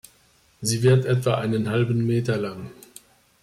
Sie wird etwa einen halben Meter lang.